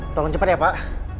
tolong cepat ya pak